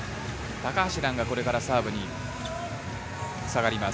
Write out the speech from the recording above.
高橋藍がこれからサーブに下がります。